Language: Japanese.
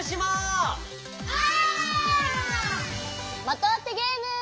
まとあてゲーム！